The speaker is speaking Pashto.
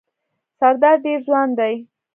سردار ډېر ځوان دی.